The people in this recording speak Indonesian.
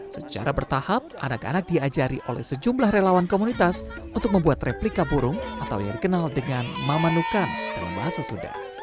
secara bertahap anak anak diajari oleh sejumlah relawan komunitas untuk membuat replika burung atau yang dikenal dengan mamanukan dalam bahasa sunda